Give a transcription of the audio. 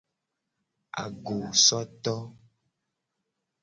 Agosoto.